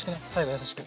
優しく。